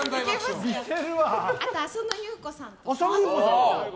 あと、浅野ゆう子さん。